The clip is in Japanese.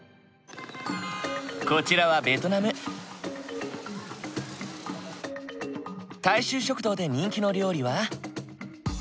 こちらは大衆食堂で人気の料理は。